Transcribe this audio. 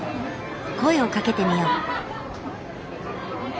声をかけてみよう。